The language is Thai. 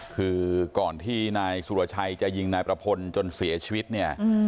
คือก่อนที่นายสุรชัยจะยิงนายประพลจนเสียชีวิตเนี่ย